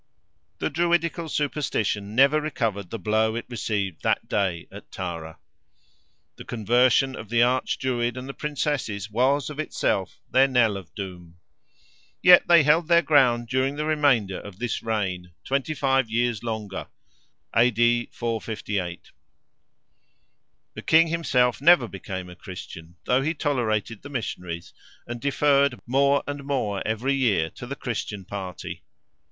The Druidical superstition never recovered the blow it received that day at Tara. The conversion of the Arch Druid and the Princesses, was, of itself, their knell of doom. Yet they held their ground during the remainder of this reign—twenty five years longer (A.D. 458). The king himself never became a Christian, though he tolerated the missionaries, and deferred more and more every year to the Christian party.